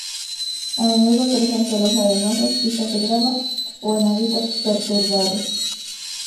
A menudo crece en suelos arenosos, pistas de grava o en hábitats perturbados.